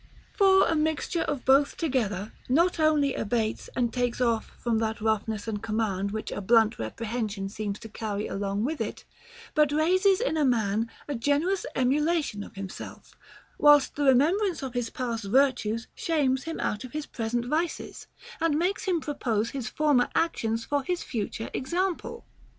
J For a mixture of both together not only abates and takes off from that roughness and command which a blunt repre hension seems to carry along with it, but raises in a man a generous emulation of himself, whilst the remembrance of his past virtues shames him out of his present vices and makes him propose his former actions for his future exam ple.